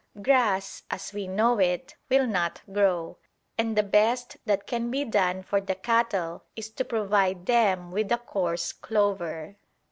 Grass, as we know it, will not grow, and the best that can be done for the cattle is to provide them with a coarse clover.